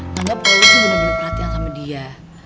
nambah perut lo bener bener perhatian sama dia